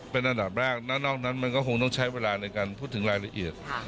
เป็นอันดับแรกนอกนั้นมันคงใช้เวลาขึ้นลายละเอียด